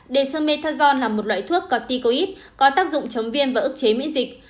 dexamethasone là một loại thuốc corticoid có tác dụng chống viêm và ức chế miễn dịch